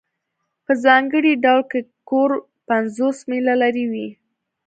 په ځانګړي ډول که کور پنځوس میله لرې وي